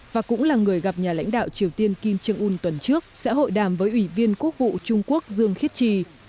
và cũng là người gặp nhà lãnh đạo triều tiên kim jong un tuần trước sẽ hội đàm với ủy viên quốc vụ trung quốc dương khiết trì